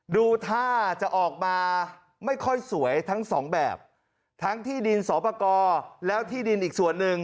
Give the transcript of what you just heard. ดูท่าจะออกมาไม่ค่อยสวยทั้งสองแบบทั้งที่ดินสอปกรแล้วที่ดินอีกส่วนหนึ่ง